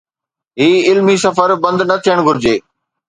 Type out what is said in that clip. هي علمي سفر بند نه ٿيڻ گهرجي.